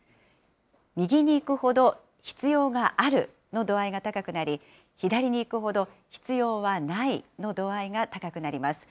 右にいくほど、必要があるの度合いが高くなり、左にいくほど必要はないの度合いが高くなります。